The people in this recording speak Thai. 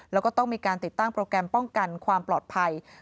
แล้วก็ต้องมีการติดตั้งโปรแกรมป้องกันความปลอดภัย